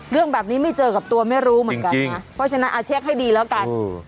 เรื่องแบบนี้ไม่เจอกับตัวไม่รู้เหมือนกันนะเพราะฉะนั้นเช็คให้ดีแล้วกัน